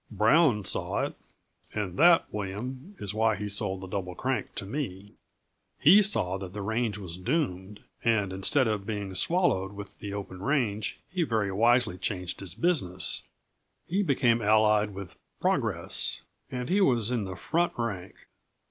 "Brown saw it, and that, William, is why he sold the Double Crank to me. He saw that the range was doomed, and instead of being swallowed with the open range he very wisely changed his business; he became allied with Progress, and he was in the front rank.